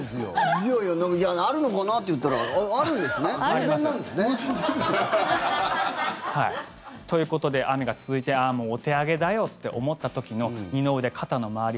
いやいや、なんかあるのかな？って言ったら偶然なんですね。ということで、雨が続いてもうお手上げだよって思った時の二の腕、肩の周り